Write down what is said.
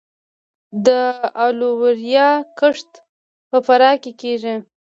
د الوویرا کښت په فراه کې شوی